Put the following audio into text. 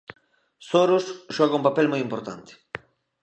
Soros xoga un papel moi importante.